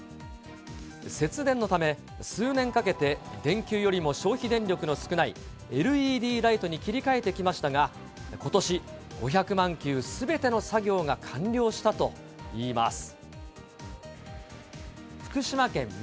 節電のため、数年かけて電球よりも消費電力の少ないＬＥＤライトに切り替えてきましたが、ことし、５００万球すべての作業が完了したといいます。